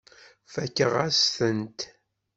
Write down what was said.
Fakeɣ-asent-tent.